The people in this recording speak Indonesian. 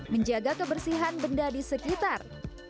menjaga kebersihan benda di sekitar